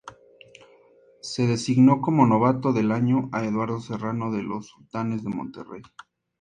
Se designó como novato del año a Eduardo Serrano de los Sultanes de Monterrey.